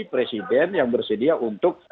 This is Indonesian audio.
presiden yang bersedia untuk